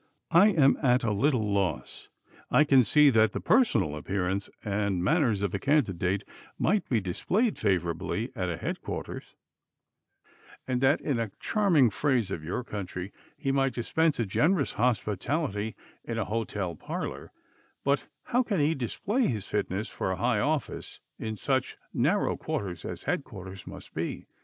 I am at a little loss. I can see that the personal appearance and manners of a candidate might be displayed favorably at a headquarters, and that, in a charming phrase of your country, he might dispense a generous hospitality in a hotel parlor, but how can he display his fitness for a high office in such narrow quarters as headquarters must be?